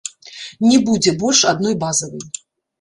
Не будзе больш адной базавай.